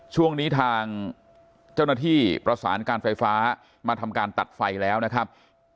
ช่วงนี้ทางเจ้าหน้าที่ประสานการไฟฟ้ามาทำการตัดไฟแล้วนะครับ